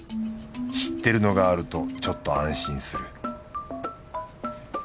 知ってるのがあるとちょっと安心する